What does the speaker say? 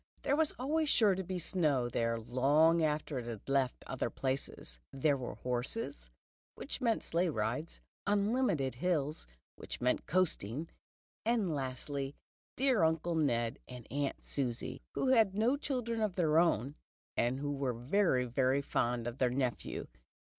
There was always sure to be snow there long after it had left other places. There were horses, which meant sleigh rides, unlimited hills, which meant coasting, and lastly dear Uncle Ned and Aunt Susie, who had no children of their own, and who were very, very fond of their nephew.